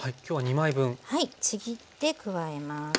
ちぎって加えます。